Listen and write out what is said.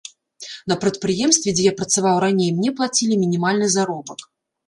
На прадпрыемстве, дзе я працаваў раней, мне плацілі мінімальны заробак.